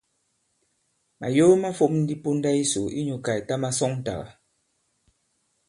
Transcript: Màyo ma fōm ndi ponda yisò inyū kà ìta masɔŋtàgà.